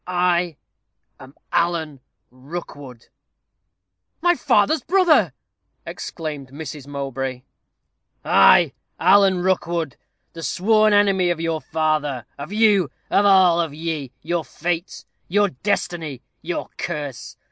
I am Alan Rookwood." "My father's brother!" exclaimed Mrs. Mowbray. "Ay, Alan Rookwood. The sworn enemy of your father of you of all of ye: your fate your destiny your curse.